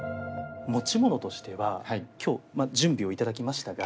持ち物としては今日準備をいただきましたが。